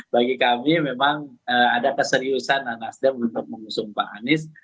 bagi kami memang ada keseriusan nasdem untuk mengusung pak anies